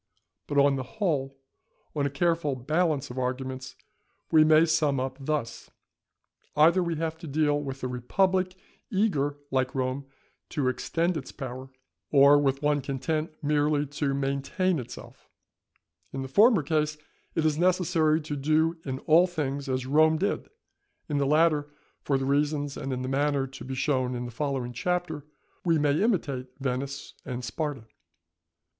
But, on the whole, on a careful balance of arguments we may sum up thus:—Either we have to deal with a republic eager like Rome to extend its power, or with one content merely to maintain itself; in the former case it is necessary to do in all things as Rome did; in the latter, for the reasons and in the manner to be shown in the following Chapter, we may imitate Venice and Sparta.